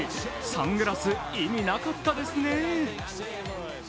サングラス、意味なかったですね。